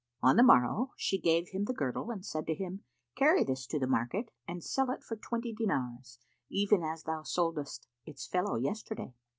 On the morrow, she gave him the girdle and said to him, "Carry this to the market and sell it for twenty dinars, even as thou soldest its fellow yesterday."